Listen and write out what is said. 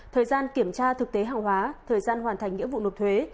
thời gian kiểm tra thực tế hàng hóa thời gian hoàn thành nghĩa vụ nộp thuế